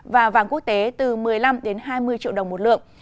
và vàng quốc tế từ một mươi năm hai mươi triệu đồng một lượng